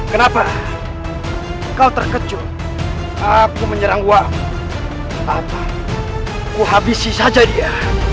kenapa kau terkejut aku menyerang wap apa aku habisi saja dia